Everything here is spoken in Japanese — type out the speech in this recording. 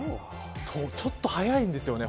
ちょっと早いんですよね。